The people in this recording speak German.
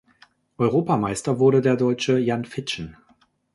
Europameister wurde der Deutsche Jan Fitschen.